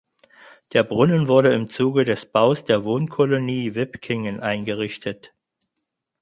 Der Brunnen wurde im Zuge des Baus der Wohnkolonie Wipkingen eingerichtet.